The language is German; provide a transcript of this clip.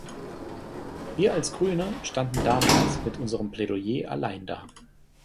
Wir als Grüne standen damals mit unserem Plädoyer allein da.